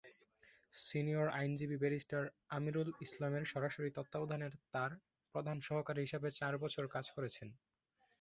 Senior আইনজীবী barrister আমীর-উল-ইসলামের সরাসরি তত্ত্বাবধানে তাঁর প্রধান সহকারী হিসেবে চার বছর কাজ করেছেন।